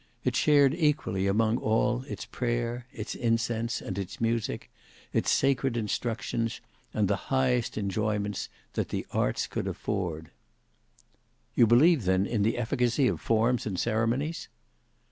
It shared equally among all its prayer, its incense, and its music; its sacred instructions, and the highest enjoyments that the arts could afford." "You believe then in the efficacy of forms and ceremonies?"